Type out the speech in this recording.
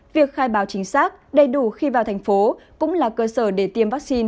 việc khai báo chính xác đầy đủ khi vào thành phố cũng là cơ sở để tiêm vaccine